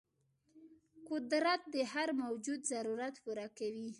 قدرت د هر موجود ضرورت پوره کوي.